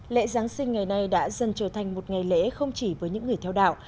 lễ giáng sinh ngày nay đã dần trở thành một ngày lễ không chỉ với những người theo đạo